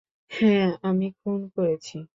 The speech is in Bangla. হ্যাঁ আমি খুন করেছি।